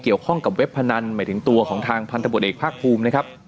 เกี่ยวข้องกับเว็บพนันหมายถึงตัวของทางพันธบทเอกภาคภูมินะครับ